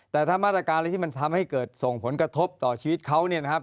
แต่ถ้ามาตรการอะไรที่มันทำให้เกิดส่งผลกระทบต่อชีวิตเขาเนี่ยนะครับ